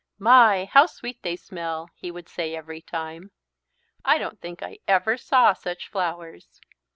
"My, how sweet they smell!" he would say every time. "I don't think I ever saw such flowers."